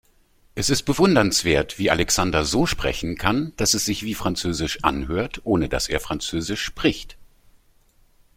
Es ist bewundernswert, wie Alexander so sprechen kann, dass es sich wie französisch anhört, ohne dass er französisch spricht.